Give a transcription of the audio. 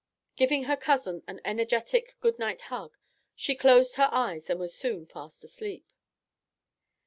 Giving her cousin an energetic good night hug, she closed her eyes and was soon fast asleep.